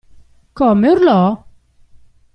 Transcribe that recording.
Come, urlò?